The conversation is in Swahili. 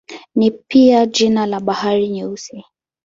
Ni pia jina la Bahari Nyeusi.